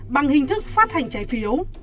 bằng hình thức phát hành trái phiếu